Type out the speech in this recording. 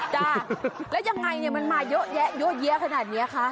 จ้ะแล้วยังไงมันมาเยอะแยะเยอะเยี้ยะขนาดนี้คะ